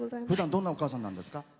ふだんどんなお母さんなんですか？